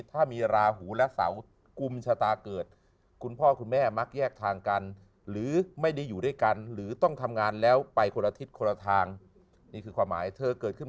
ถ้ามีราหูและเสาร์กลุ่มชะตาเกิด